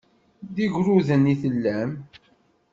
D igrudan i tellam.